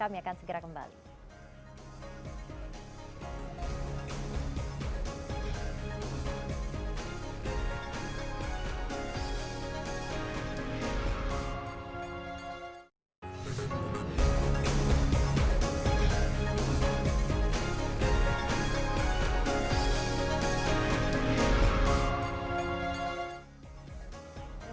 nah ini akan kita jawab usai jadwal berikut